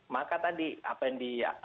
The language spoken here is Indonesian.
maka tadi apa yang